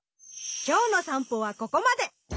今日の散歩はここまで！